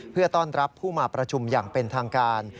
เพื่อต้อนรับผู้มาประชุมอย่างเป็นทางการ